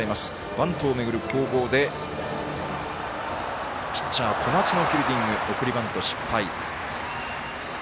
バントを巡る攻防でピッチャー、小松のフィールディング送りバント失敗。